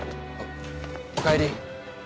お帰り。